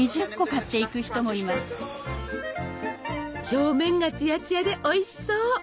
表面がツヤツヤでおいしそう！